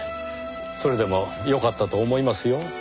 それでもよかったと思いますよ。